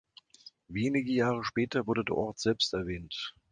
Wenige Jahre später wurde der Ort selbst erwähnt.